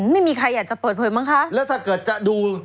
ไม่มีใครอยากจะเปิดเผยมั้งคะแล้วถ้าเกิดจะดู